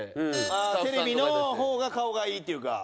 ああテレビの方が顔がいいっていうか。